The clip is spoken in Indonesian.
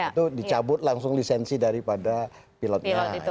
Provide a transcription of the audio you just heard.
itu dicabut langsung lisensi daripada pilotnya